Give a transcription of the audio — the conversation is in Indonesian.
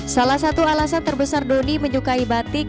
salah satu alasan terbesar doni menyukai batik